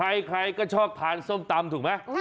ใครก็ชอบทานส้มตำถูกไหม